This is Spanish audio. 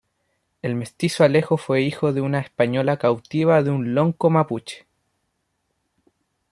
El mestizo Alejo fue hijo de una española cautiva de un lonco mapuche.